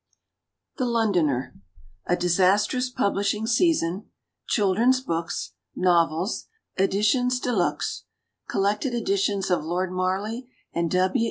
THE LONDONER A Di8CL8trau8 Publishing Season — Children's Books — Novels — Editions de Luxe — Collected Editions of Lord Morley and W.